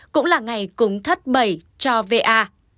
cũng là ngày cúng thất bẩy cho va